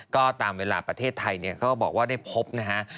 ก็ตามเวลาประเทศไทยเนี่ยเขาบอกว่าได้พบนะฮะ